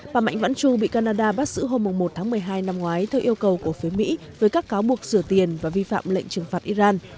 bà mạnh vãn chu bị canada bắt giữ hôm một tháng một mươi hai năm ngoái theo yêu cầu của phía mỹ với các cáo buộc rửa tiền và vi phạm lệnh trừng phạt iran